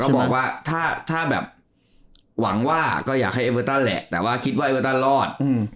บอกว่าถ้าแบบหวังว่าก็อยากให้เอเวอร์ตันแหละแต่ว่าคิดว่าเอเวอร์ตันรอด